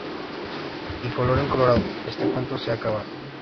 Y colorín, colorado, este cuento se ha acabado